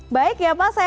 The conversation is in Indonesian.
baik ya pak sehat